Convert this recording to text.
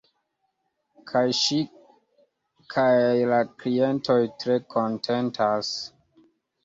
Kaj ŝi kaj la klientoj tre kontentas.